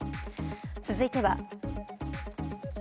続いては。